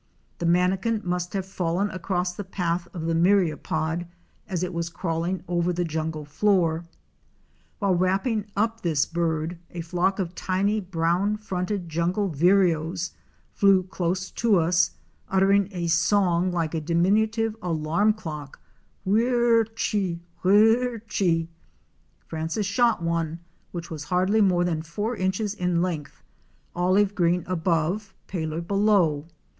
The Manakin must have fallen across the path of the Myriapod as it was crawling over the jungle floor. While wrapping up this bird, a flock of tiny Brown fronted Jungle Vireos '*' flew close to us, uttering a song like a diminutive alarm clock, Whirrrrrrrrrrr chee! Whir rrrvrvrervrvv chee!_ Francis shot one, which was hardly more than four inches in length, olive green above, paler below.